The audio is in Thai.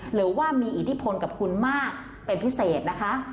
หรือว่ามีอิทธิพลกับคุณมากเป็นพิเศษนะคะ